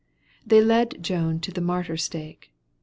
They led Joan to the martyr stake.